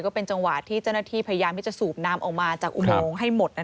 ก็เป็นจังหวะที่เจ้าหน้าที่พยายามที่จะสูบน้ำออกมาจากอุโมงให้หมด